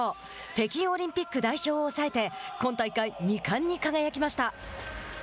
北京オリンピック代表を抑えて今大会２冠に輝きました。